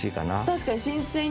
確かに。